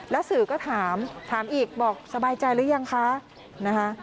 แล้วสื่อก็ถามถามอีกบอกสบายใจหรือยังคะนะคะ